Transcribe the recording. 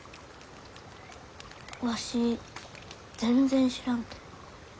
わし全然知らんと。